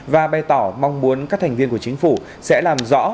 và bày tỏ mong muốn các thành viên của chính phủ sẽ làm rõ